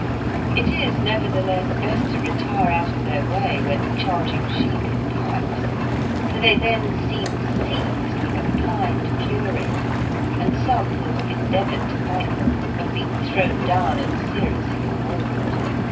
It is, nevertheless, best to retire out of their way when charging sheep in packs, for they then seem seized with a blind fury, and some who have endeavoured to fight them have been thrown down and seriously mauled.